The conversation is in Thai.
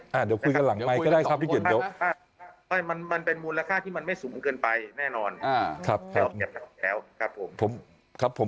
มันเป็นมูลค่าที่มันไม่สูงเกินไปแน่นอน